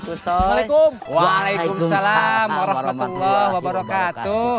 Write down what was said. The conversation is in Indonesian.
assalamualaikum warahmatullah wabarakatuh